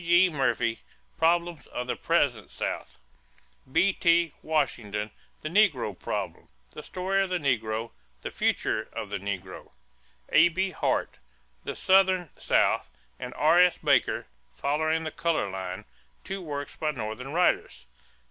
G. Murphy, Problems of the Present South. B.T. Washington, The Negro Problem; The Story of the Negro; The Future of the Negro. A.B. Hart, The Southern South and R.S. Baker, Following the Color Line (two works by Northern writers).